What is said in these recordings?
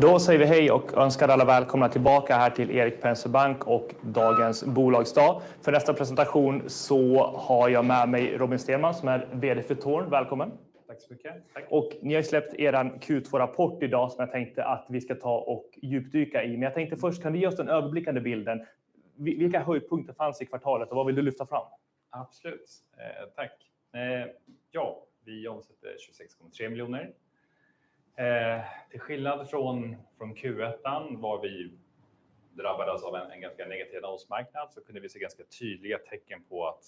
Då säger vi hej och önskar alla välkomna tillbaka här till Erik Penser Bank och dagens bolagsdag. För nästa presentation så har jag med mig Robin Stenman, som är VD för Torn. Välkommen! Tack så mycket. Och ni har ju släppt er Q2-rapport idag som jag tänkte att vi ska ta och djupdyka i. Men jag tänkte först, kan du ge oss den överblickande bilden? Vilka höjdpunkter fanns i kvartalet och vad vill du lyfta fram? Absolut, tack. Ja, vi omsätter 26,3 miljoner. Till skillnad från Q1 var vi drabbades av en ganska negativ annonsmarknad, så kunde vi se ganska tydliga tecken på att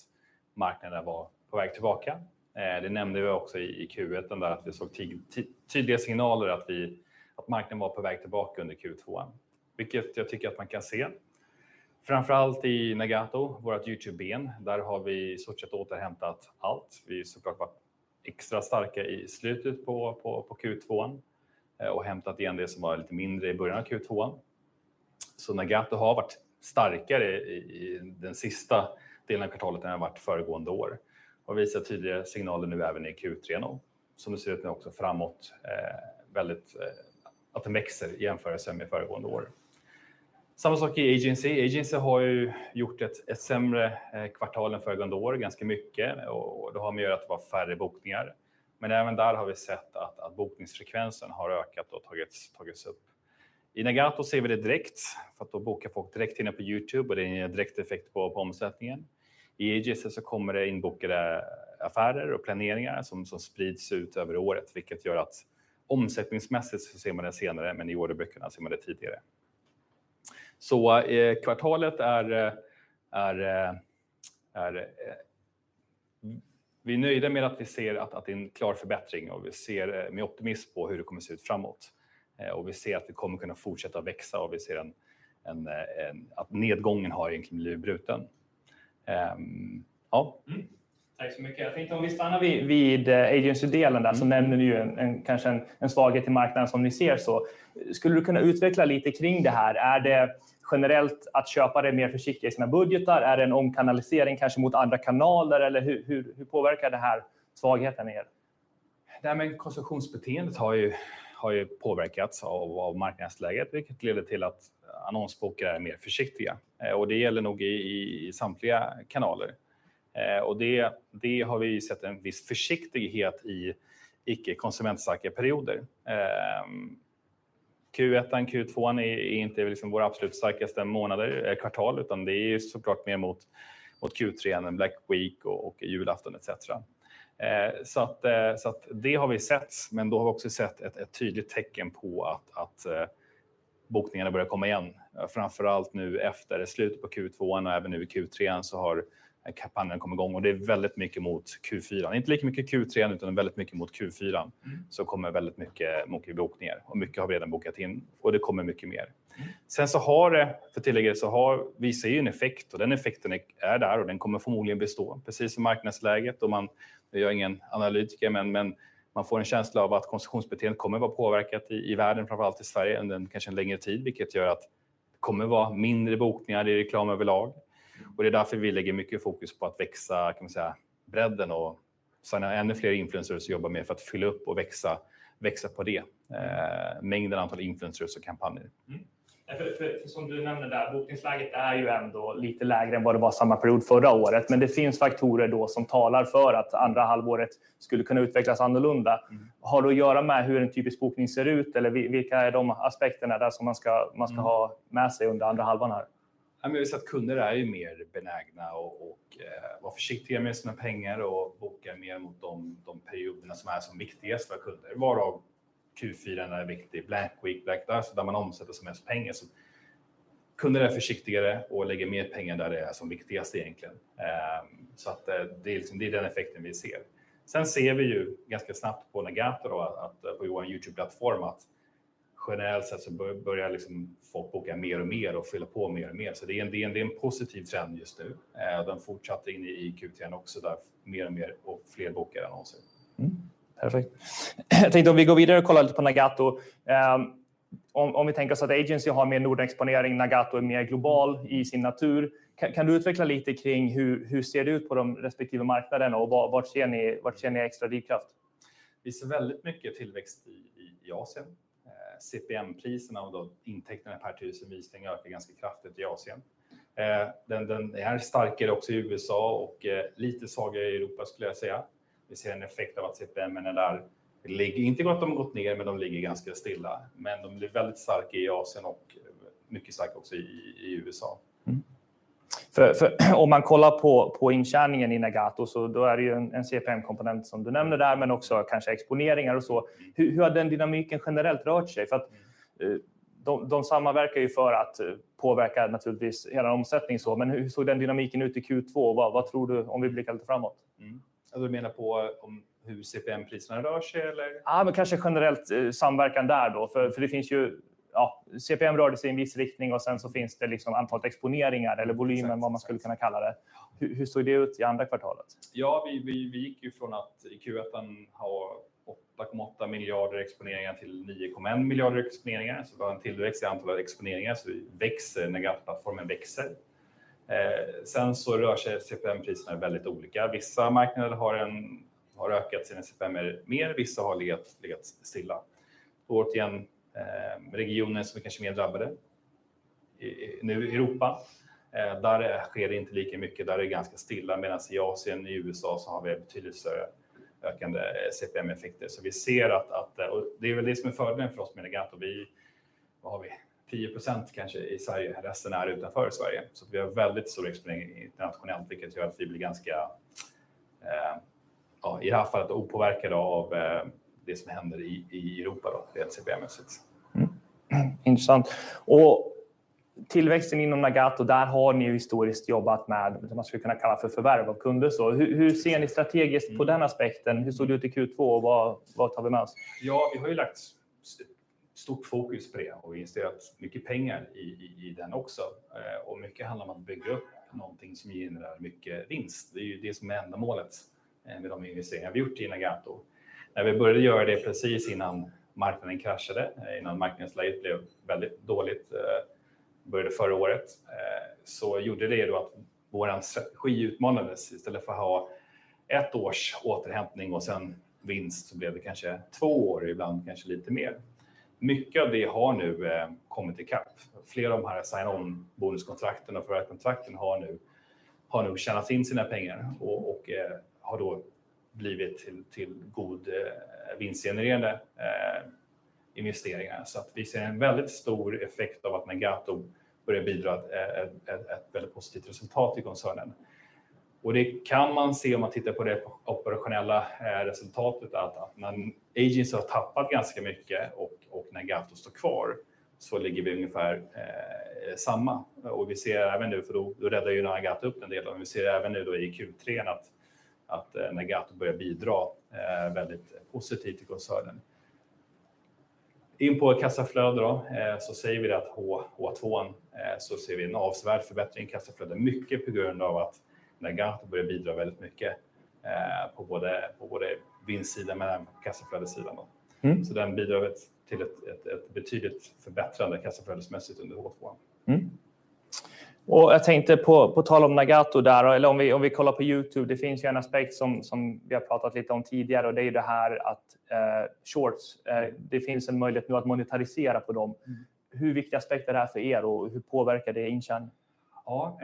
marknaden var på väg tillbaka. Det nämnde vi också i Q1, att vi såg tydliga signaler att marknaden var på väg tillbaka under Q2. Vilket jag tycker att man kan se. Framför allt i Nagato, vårt YouTube-ben. Där har vi sett återhämtat allt. Vi har så klart varit extra starka i slutet på Q2 och hämtat igen det som var lite mindre i början av Q2. Så Nagato har varit starkare i den sista delen av kvartalet än det har varit föregående år och visar tydliga signaler nu även i Q3. Som det ser ut nu också framåt, väldigt, att det växer i jämförelse med föregående år. Samma sak i Agency. Agency har ju gjort ett sämre kvartal än föregående år, ganska mycket, och det har att göra med att det var färre bokningar. Men även där har vi sett att bokningsfrekvensen har ökat och tagits upp. I Nagato ser vi det direkt, för att då bokar folk direkt in på YouTube och det ger direkt effekt på omsättningen. I Agency så kommer det in bokade affärer och planeringar som sprids ut över året, vilket gör att omsättningsmässigt så ser man det senare, men i orderböckerna ser man det tidigare. Så kvartalet är... Vi är nöjda med att vi ser att det är en klar förbättring och vi ser med optimism på hur det kommer att se ut framåt. Och vi ser att det kommer kunna fortsätta växa och vi ser en att nedgången har egentligen blivit bruten. Tack så mycket. Jag tänkte om vi stannar vid Agency-delen där, så nämner du ju en, kanske en svaghet i marknaden som ni ser så. Skulle du kunna utveckla lite kring det här? Är det generellt att köpare är mer försiktiga i sina budgetar? Är det en omkanalisering, kanske mot andra kanaler? Eller hur påverkar det här svagheten er? Det här med konsumtionsbeteendet har påverkats av marknadsläget, vilket leder till att annonsbokare är mer försiktiga. Det gäller nog i samtliga kanaler. Det har vi sett en viss försiktighet i icke konsumentstarka perioder. Q1, Q2 är inte liksom våra absolut starkaste kvartal, utan det är så klart mer mot Q3, Black Week och julafton et cetera. Så att det har vi sett, men då har vi också sett ett tydligt tecken på att bokningarna börjar komma igen. Framför allt nu efter slutet på Q2 och även nu i Q3 så har kampanjen kommit igång och det är väldigt mycket mot Q4. Inte lika mycket Q3, utan väldigt mycket mot Q4. Så kommer väldigt mycket bokningar och mycket har redan bokat in och det kommer mycket mer. Sen så har det, för tillägget, så har vi ser ju en effekt och den effekten är där och den kommer förmodligen bestå. Precis som marknadsläget och jag är ingen analytiker, men man får en känsla av att konsumtionsbeteendet kommer vara påverkat i världen, framför allt i Sverige, under kanske en längre tid, vilket gör att det kommer vara mindre bokningar i reklam överlag. Och det är därför vi lägger mycket fokus på att växa, kan man säga, bredden och signa ännu fler influencers att jobba med för att fylla upp och växa på det. Mängden antal influencers och kampanjer. För som du nämner där, bokningsläget är ju ändå lite lägre än vad det var samma period förra året, men det finns faktorer då som talar för att andra halvåret skulle kunna utvecklas annorlunda. Har det att göra med hur en typisk bokning ser ut? Eller vilka är de aspekterna där som man ska ha med sig under andra halvan här? Ja, men vi ser att kunder är ju mer benägna att vara försiktiga med sina pengar och boka mer mot de perioderna som är som viktigast för kunder. Varav Q4 är viktig, Black Week, Black Friday, där man omsätter som mest pengar. Så kunder är försiktigare och lägger mer pengar där det är som viktigaste egentligen. Så att det är den effekten vi ser. Sen ser vi ju ganska snabbt på Nagato, att på vår YouTube-plattform, att generellt sett så börjar liksom folk boka mer och mer och fylla på mer och mer. Så det är en positiv trend just nu. Den fortsatte in i Q3 också, där mer och mer och fler bokar annonser. Perfekt. Jag tänkte om vi går vidare och kollar lite på Nagato. Om vi tänker oss att Agency har mer Nordexponering, Nagato är mer global i sin natur. Kan du utveckla lite kring hur ser det ut på de respektive marknaderna och vart ser ni, vart känner ni extra drivkraft? Vi ser väldigt mycket tillväxt i Asien. CPM-priserna och då intäkterna per tusen visning ökar ganska kraftigt i Asien. Den är starkare också i USA och lite svagare i Europa skulle jag säga. Vi ser en effekt av att CPM-en där ligger, inte gått ner, men de ligger ganska stilla, men de blir väldigt stark i Asien och mycket stark också i USA. För om man kollar på intjäningen i Nagato, så då är det ju en CPM-komponent som du nämner där, men också kanske exponeringar och så. Hur har den dynamiken generellt rört sig? För de samverkar ju för att påverka naturligtvis er omsättning så. Men hur såg den dynamiken ut i Q2? Och vad tror du om vi blickar lite framåt? Du menar på om hur CPM-priserna rör sig, eller? Ja, men kanske generellt samverkan där då. För det finns ju, ja, CPM rör det sig i en viss riktning och sen så finns det liksom antalet exponeringar eller volymen, vad man skulle kunna kalla det. Hur såg det ut i andra kvartalet? Vi gick ju från att i Q1 ha 8,8 miljarder exponeringar till 9,1 miljarder exponeringar. Det var en tillväxt i antalet exponeringar. Vi växer, Nagato-plattformen växer. Sen så rör sig CPM-priserna väldigt olika. Vissa marknader har ökat sina CPM mer, vissa har legat stilla. Återigen, regioner som kanske är mer drabbade. Nu Europa, där sker det inte lika mycket, där är det ganska stilla, medan i Asien, i USA, så har vi betydligt större ökande CPM-effekter. Vi ser att det är väl det som är fördelen för oss med Nagato. Vad har vi? 10% kanske i Sverige, resten är utanför Sverige. Vi har väldigt stor exponering internationellt, vilket gör att vi blir ganska, i det här fallet opåverkade av det som händer i Europa då, CPM-mässigt. Intressant. Och tillväxten inom Nagato, där har ni ju historiskt jobbat med det man skulle kunna kalla för förvärv av kunder. Så hur ser ni strategiskt på den aspekten? Hur såg det ut i Q2 och vad tar vi med oss? Ja, vi har ju lagt stort fokus på det och investerat mycket pengar i den också. Mycket handlar om att bygga upp någonting som genererar mycket vinst. Det är ju det som är ändamålet med de investeringar vi gjort i Nagato. När vi började göra det precis innan marknaden kraschade, innan marknadsläget blev väldigt dåligt, började förra året, så gjorde det då att vår strategi utmanades. Istället för att ha ett års återhämtning och sen vinst så blev det kanske två år, ibland kanske lite mer. Mycket av det har nu kommit i kapp. Fler av de här sign on bonuskontrakten och förarkontrakten har nu tjänat in sina pengar och har då blivit till god vinstgenererande investeringar. Vi ser en väldigt stor effekt av att Nagato börjar bidra ett väldigt positivt resultat i koncernen. Det kan man se om man tittar på det operationella resultatet att Agence har tappat ganska mycket och Nagato står kvar, så ligger vi ungefär samma. Vi ser även nu, för då räddar ju Nagato upp en del. Vi ser även nu då i Q3 att Nagato börjar bidra väldigt positivt i koncernen. In på kassaflöde då, så säger vi det att H2 så ser vi en avsevärd förbättring i kassaflöde, mycket på grund av att Nagato börjar bidra väldigt mycket på både vinstsidan men kassaflödessidan. Den bidrar till ett betydligt förbättrande kassaflödesmässigt under H2. Och jag tänkte på, på tal om Nagato där, eller om vi kollar på YouTube, det finns ju en aspekt som vi har pratat lite om tidigare och det är ju det här att shorts, det finns en möjlighet nu att monetarisera på dem. Hur viktig aspekt är det här för er och hur påverkar det intjäning? Ja,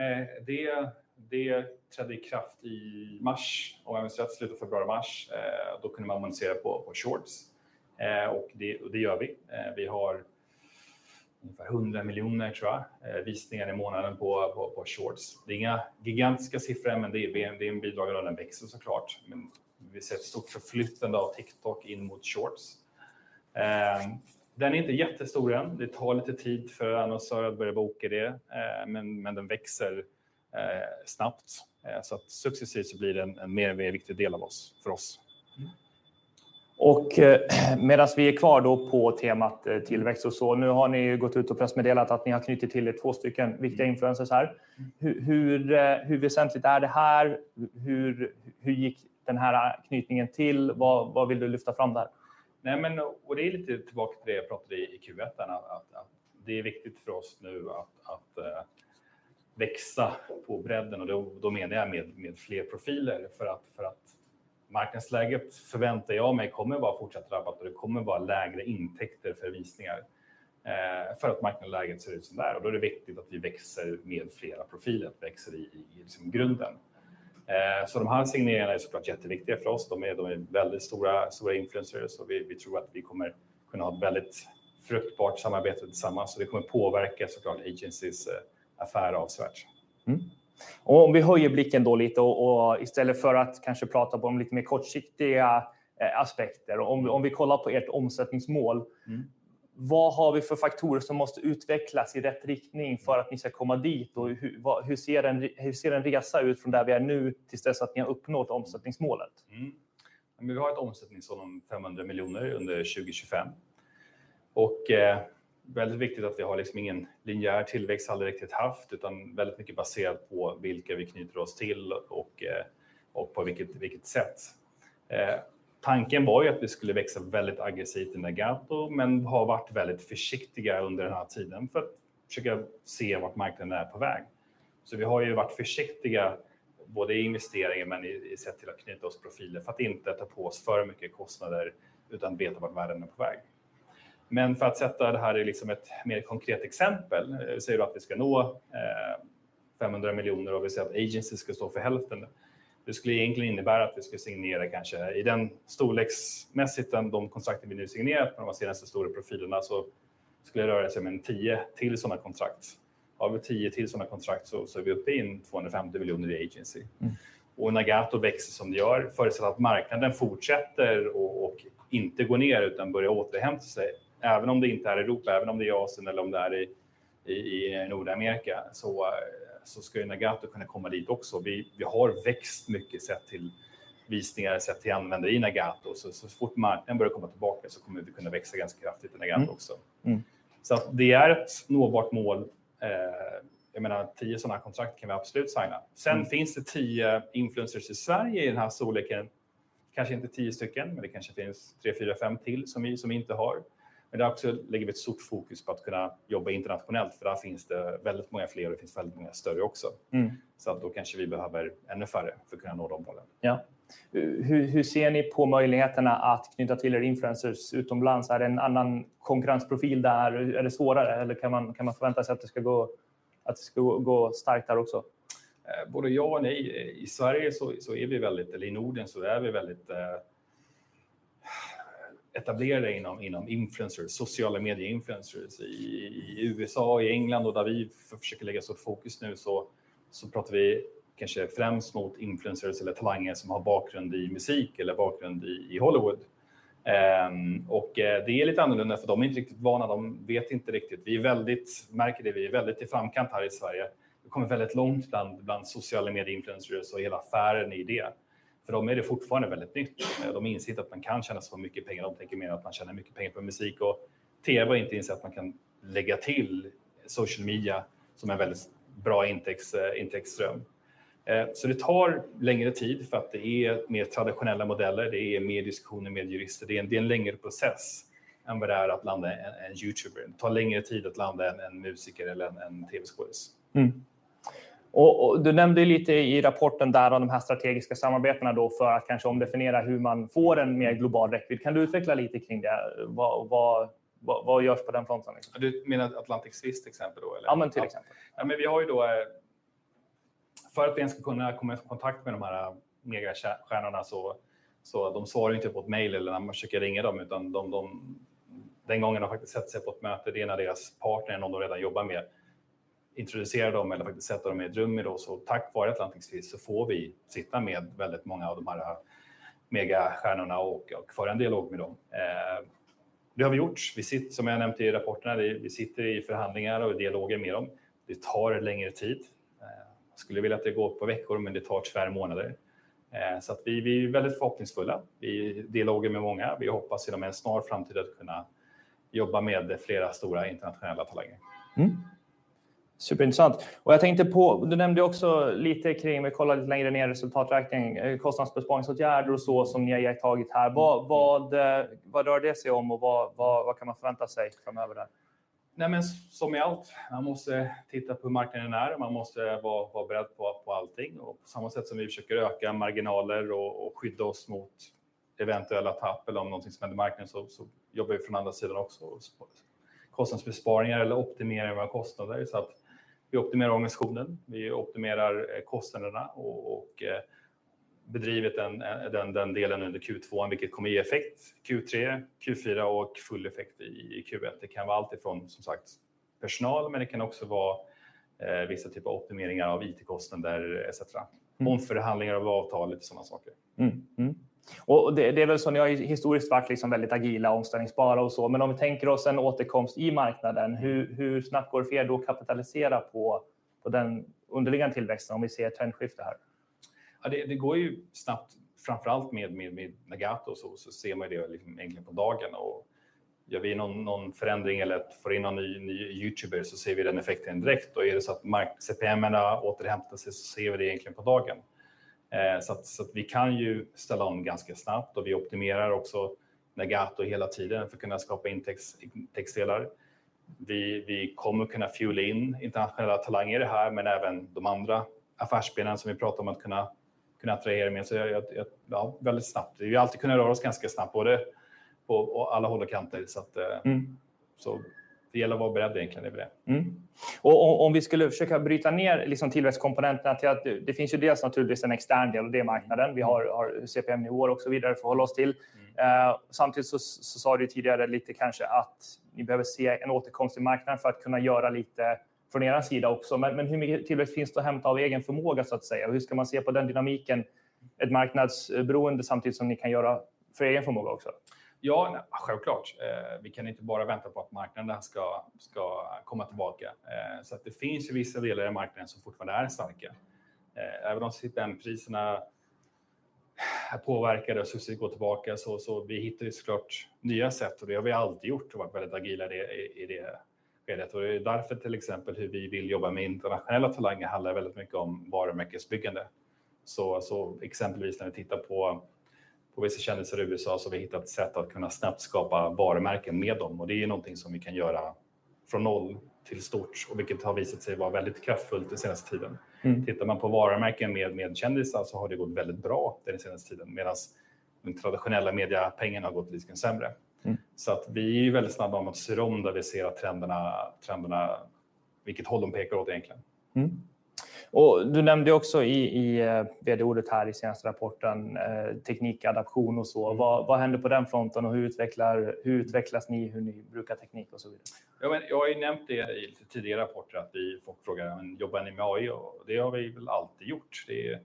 det trädde i kraft i mars. I slutet av februari, mars, då kunde man monetisera på shorts. Det gör vi. Vi har ungefär hundra miljoner tror jag, visningar i månaden på shorts. Det är inga gigantiska siffror, men det är en bidragare och den växer så klart. Vi ser ett stort förflyttande av TikTok in mot shorts. Den är inte jättestor än. Det tar lite tid för annonsörer att börja boka det, men den växer snabbt. Successivt så blir den en mer och mer viktig del för oss. Medans vi är kvar på temat tillväxt och så. Nu har ni ju gått ut och pressmeddelat att ni har knutit till er två stycken viktiga influencers här. Hur väsentligt är det här? Hur gick den här knytningen till? Vad vill du lyfta fram där? Nej, men det är lite tillbaka till det jag pratade i Q1, att det är viktigt för oss nu att växa på bredden och då menar jag med fler profiler. För att marknadsläget förväntar jag mig kommer vara fortsatt drabbat och det kommer vara lägre intäkter för visningar för att marknadsläget ser ut som det är. Då är det viktigt att vi växer med flera profiler, växer i grunden. Så de här signeringarna är så klart jätteviktiga för oss. De är väldigt stora influencers och vi tror att vi kommer kunna ha ett väldigt fruktbart samarbete tillsammans. Det kommer påverka så klart Agencys affär avsevärt. Om vi höjer blicken då lite och istället för att kanske prata om lite mer kortsiktiga aspekter, om vi kollar på ert omsättningsmål. Vad har vi för faktorer som måste utvecklas i rätt riktning för att ni ska komma dit? Och hur ser en resa ut från där vi är nu tills dess att ni har uppnått omsättningsmålet? Vi har ett omsättningsmål om 500 miljoner under 2025. Väldigt viktigt att vi har ingen linjär tillväxt, aldrig riktigt haft, utan väldigt mycket baserat på vilka vi knyter oss till och på vilket sätt. Tanken var ju att vi skulle växa väldigt aggressivt i Nagato, men har varit väldigt försiktiga under den här tiden för att försöka se vart marknaden är på väg. Vi har ju varit försiktiga, både i investeringar men i sätt till att knyta oss profiler för att inte ta på oss för mycket kostnader, utan veta vart världen är på väg. Men för att sätta det här i ett mer konkret exempel, så är det att vi ska nå 500 miljoner och vi ser att Agency ska stå för hälften. Det skulle egentligen innebära att vi ska signera, kanske i den storleksmässigt än de kontrakten vi nu signerat med de senaste stora profilerna, så skulle det röra sig om en tio till sådana kontrakt. Har vi tio till sådana kontrakt så är vi uppe i 250 miljoner i Agency. Nagato växer som det gör, förutsatt att marknaden fortsätter och inte går ner, utan börjar återhämta sig. Även om det inte är Europa, även om det är Asien eller om det är i Nordamerika, så ska ju Nagato kunna komma dit också. Vi har växt mycket sett till visningar, sett till användare i Nagato. Så fort marknaden börjar komma tillbaka så kommer vi kunna växa ganska kraftigt i Nagato också. Det är ett nåbart mål. Jag menar, tio sådana kontrakt kan vi absolut signa. Sen finns det tio influencers i Sverige i den här storleken. Kanske inte tio stycken, men det kanske finns tre, fyra, fem till som vi inte har. Men det också lägger vi ett stort fokus på att kunna jobba internationellt, för där finns det väldigt många fler och det finns väldigt många större också. Så att då kanske vi behöver ännu färre för att kunna nå de målen. Ja. Hur ser ni på möjligheterna att knyta till er influencers utomlands? Är det en annan konkurrensprofil där? Är det svårare eller kan man förvänta sig att det ska gå starkt där också? Både ja och nej. I Sverige så är vi väldigt, eller i Norden så är vi väldigt etablerade inom influencers, sociala medie influencers. I USA och i England och där vi försöker lägga oss och fokus nu, så pratar vi kanske främst mot influencers eller talanger som har bakgrund i musik eller bakgrund i Hollywood. Det är lite annorlunda för de är inte riktigt vana, de vet inte riktigt. Vi är väldigt, märker det, vi är väldigt i framkant här i Sverige. Vi har kommit väldigt långt bland sociala medie influencers och hela affären i det. För dem är det fortfarande väldigt nytt. De inser inte att man kan tjäna så mycket pengar. De tänker mer att man tjänar mycket pengar på musik och TV och har inte insett att man kan lägga till social media som är en väldigt bra intäktsström. Så det tar längre tid för att det är mer traditionella modeller. Det är mer diskussioner med jurister. Det är en längre process än vad det är att landa en youtuber. Det tar längre tid att landa en musiker eller en TV-skådis. Och du nämnde ju lite i rapporten där av de här strategiska samarbetena då för att kanske omdefiniera hur man får en mer global räckvidd. Kan du utveckla lite kring det? Vad, vad, vad görs på den fronten? Du menar Atlantic Twist exempel då eller? Ja, men till exempel. Ja, men vi har ju då... För att ens kunna komma i kontakt med de här megastjärnorna så svarar de inte på ett mejl eller när man försöker ringa dem, utan den gången har faktiskt sätter sig på ett möte. Det är när deras partner, någon de redan jobbar med, introducerar dem eller faktiskt sätter dem i ett rum med dem. Tack vare Atlantic Twist så får vi sitta med väldigt många av de här megastjärnorna och föra en dialog med dem. Det har vi gjort. Vi sitt, som jag nämnt i rapporterna, vi sitter i förhandlingar och dialoger med dem. Det tar längre tid. Jag skulle vilja att det går på veckor, men det tar tyvärr månader. Vi är väldigt förhoppningsfulla. Vi är i dialoger med många. Vi hoppas inom en snar framtid att kunna jobba med flera stora internationella talanger. Superintressant! Jag tänkte på, du nämnde också lite kring, vi kollar lite längre ner i resultaträkningen, kostnadsbesparingsåtgärder och så, som ni har tagit här. Vad rör det sig om och vad kan man förvänta sig framöver där? Men som i allt, man måste titta på hur marknaden är. Man måste vara beredd på allting. Och på samma sätt som vi försöker öka marginaler och skydda oss mot eventuella tapp eller om någonting som händer i marknaden, så jobbar vi från andra sidan också. Kostnadsbesparingar eller optimering av våra kostnader. Så att vi optimerar organisationen, vi optimerar kostnaderna och bedrivit den delen under Q2, vilket kommer ge effekt Q3, Q4 och full effekt i Q1. Det kan vara alltifrån, som sagt, personal, men det kan också vara vissa typer av optimeringar av IT-kostnader et cetera. Omförhandlingar av avtal och sådana saker. Det är väl som ni har historiskt varit liksom väldigt agila, omställningsbara och så. Men om vi tänker oss en återkomst i marknaden, hur snabbt går det för er då att kapitalisera på den underliggande tillväxten om vi ser ett trendskifte här? Ja, det går ju snabbt, framför allt med Nagato, så ser man det egentligen på dagen. Gör vi någon förändring eller får in någon ny youtuber, så ser vi den effekten direkt. Då är det så att CPM-erna återhämtar sig, så ser vi det egentligen på dagen. Så att vi kan ju ställa om ganska snabbt och vi optimerar också Nagato hela tiden för att kunna skapa intäktsdelar. Vi kommer att kunna fuel in internationella talanger i det här, men även de andra affärsbenen som vi pratar om att kunna attrahera mer. Så jag, ja, väldigt snabbt. Vi har alltid kunnat röra oss ganska snabbt, både på alla håll och kanter. Mm. Så det gäller att vara beredd egentligen i det. Om vi skulle försöka bryta ner tillväxtkomponenterna till att det finns ju dels naturligtvis en extern del, och det är marknaden. Vi har CPM-nivåer och så vidare för att hålla oss till. Samtidigt så sa du ju tidigare lite kanske att ni behöver se en återkomst i marknaden för att kunna göra lite från er sida också. Men hur mycket tillväxt finns det att hämta av egen förmåga så att säga? Hur ska man se på den dynamiken? Ett marknadsberoende, samtidigt som ni kan göra för egen förmåga också. Ja, självklart. Vi kan inte bara vänta på att marknaden ska komma tillbaka. Det finns ju vissa delar i marknaden som fortfarande är starka. Även om CPM-priserna är påverkade och successivt går tillbaka, så vi hittar ju så klart nya sätt och det har vi alltid gjort och varit väldigt agila i det ledet. Det är därför, till exempel, hur vi vill jobba med internationella talanger handlar väldigt mycket om varumärkesbyggande. Exempelvis, när vi tittar på vissa kändisar i USA, så har vi hittat sätt att kunna snabbt skapa varumärken med dem. Det är någonting som vi kan göra från noll till stort och vilket har visat sig vara väldigt kraftfullt den senaste tiden. Mm. Tittar man på varumärken med kändisar så har det gått väldigt bra den senaste tiden, medan de traditionella mediapengarna har gått lite sämre. Mm. Så att vi är väldigt snabba om att styra om där vi ser att trenderna, vilket håll de pekar åt egentligen. Och du nämnde ju också i VD-ordet här i senaste rapporten, teknik, adaption och så. Vad händer på den fronten och hur utvecklar, hur utvecklas ni, hur ni brukar teknik och så vidare? Ja, men jag har ju nämnt det i tidigare rapporter att vi får frågan: "Jobbar ni med AI?" Och det har vi väl alltid gjort. Det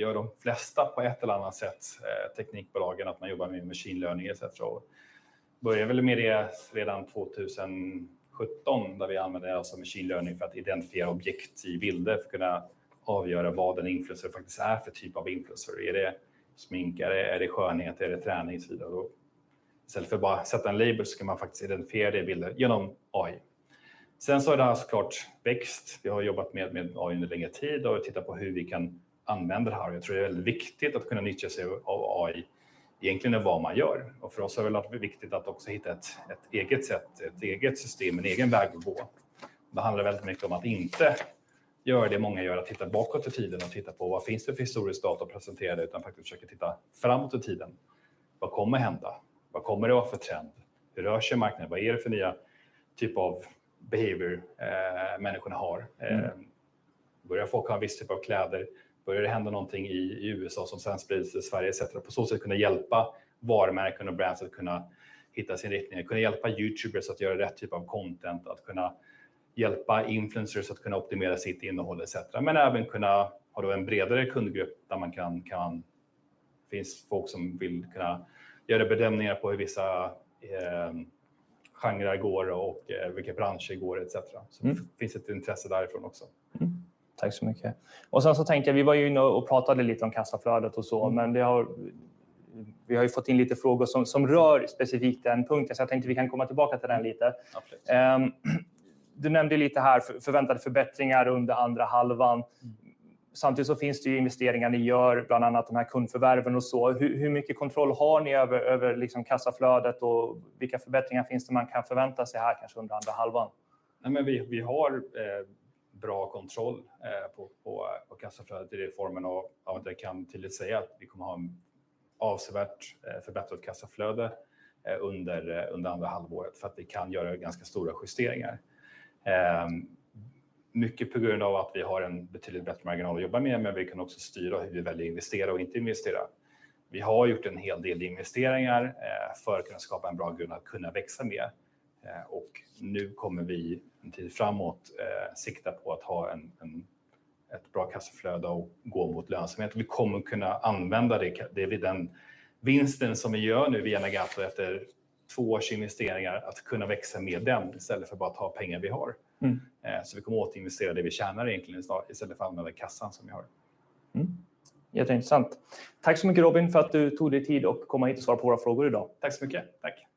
gör de flesta på ett eller annat sätt, teknikbolagen, att man jobbar med machine learning, et cetera. Vi började väl med det redan 2017, där vi använde oss av machine learning för att identifiera objekt i bilder, för att kunna avgöra vad en influencer faktiskt är för typ av influencer. Är det smink? Är det skönhet? Är det träning och så vidare? Istället för att bara sätta en label så kan man faktiskt identifiera det i bilder genom AI. Sen så har det här såklart växt. Vi har jobbat med AI under längre tid och tittat på hur vi kan använda det här. Och jag tror det är väldigt viktigt att kunna nyttja sig av AI, egentligen är vad man gör. Och för oss är det väl viktigt att också hitta ett eget sätt, ett eget system, en egen väg att gå. Det handlar väldigt mycket om att inte göra det många gör, att titta bakåt i tiden och titta på vad finns det för historisk data presenterade, utan faktiskt försöka titta framåt i tiden. Vad kommer hända? Vad kommer det vara för trend? Hur rör sig marknaden? Vad är det för nya typ av behavior människorna har? Börjar folk ha en viss typ av kläder? Börjar det hända någonting i USA som sen sprider sig till Sverige etc. Och på så sätt kunna hjälpa varumärken och brands att kunna hitta sin riktning, att kunna hjälpa YouTubers att göra rätt typ av content, att kunna hjälpa influencers att kunna optimera sitt innehåll etc. Men även kunna ha då en bredare kundgrupp där man kan, finns folk som vill kunna göra bedömningar på hur vissa genrer går och vilka branscher går etc. Så det finns ett intresse därifrån också. Tack så mycket. Och sen så tänker jag, vi var ju inne och pratade lite om kassaflödet och så, men det har... Vi har ju fått in lite frågor som rör specifikt den punkten, så jag tänkte vi kan komma tillbaka till den lite. Absolut. Du nämnde lite här förväntade förbättringar under andra halvan. Samtidigt så finns det ju investeringar ni gör, bland annat de här kundförvärven och så. Hur mycket kontroll har ni över kassaflödet och vilka förbättringar finns det man kan förvänta sig här, kanske under andra halvan? Men vi har bra kontroll på kassaflödet i den formen av att jag kan tydligt säga att vi kommer att ha ett avsevärt förbättrat kassaflöde under andra halvåret för att vi kan göra ganska stora justeringar. Mycket på grund av att vi har en betydligt bättre marginal att jobba med, men vi kan också styra hur vi väljer att investera och inte investera. Vi har gjort en hel del investeringar för att kunna skapa en bra grund att kunna växa med. Nu kommer vi en tid framåt sikta på att ha ett bra kassaflöde och gå mot lönsamhet. Vi kommer att kunna använda det, vinsten som vi gör nu via Nagat och efter två års investeringar, att kunna växa med den istället för att bara ta pengar vi har. Mm. Så vi kommer att återinvestera det vi tjänar egentligen istället för att använda kassan som vi har. Jätteintressant. Tack så mycket, Robin, för att du tog dig tid att komma hit och svara på våra frågor idag. Tack så mycket. Tack!